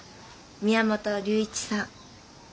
宮本龍一さん。